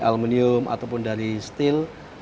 aluminium ataupun dari steel